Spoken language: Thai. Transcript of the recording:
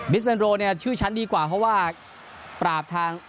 บิสเป็นโรคมาชื่อชั้นดีกว่าเพราะว่าปราบทาง